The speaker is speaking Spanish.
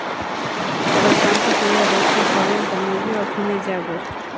Por lo tanto, puede haber cruzado el Danubio a fines de agosto.